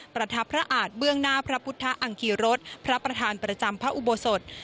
ประทับพระอาจเบื้องหน้าพระพุทธอังคีรสพระประธานประจำพระอุโบสถ